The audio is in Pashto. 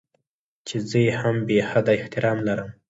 چې زه يې هم بې حده احترام لرم.